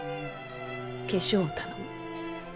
化粧を頼む。